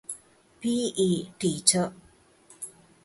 ޕީ. އީ ޓީޗަރ